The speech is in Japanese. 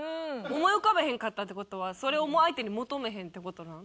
思い浮かべへんかったって事はそれをもう相手に求めへんって事なん？